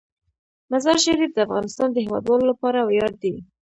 مزارشریف د افغانستان د هیوادوالو لپاره ویاړ دی.